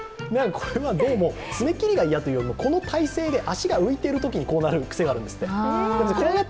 これはどうも、爪切りが嫌というよりもこの体制で足が浮いているときにこうなる癖があるんですって。